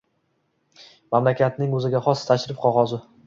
Mamlakatning o‘ziga xos tashrif qog‘ozi